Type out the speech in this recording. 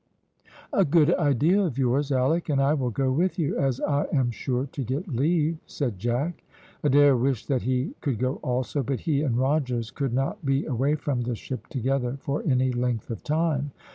"A good idea of yours, Alick, and I will go with you, as I am sure to get leave," said Jack. Adair wished that he could go also, but he and Rogers could not be away from the ship together for any length of time.